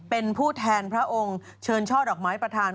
เป็นผู้แทนพระองค์เชิญช่อดอกไม้ประธาน